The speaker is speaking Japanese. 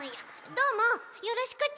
どーもよろしくち。